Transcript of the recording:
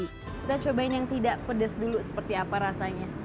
kita cobain yang tidak pedes dulu seperti apa rasanya